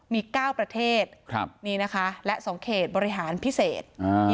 มีเก้าประเทศครับนี่นะคะและสองเขตบริหารพิเศษอ่า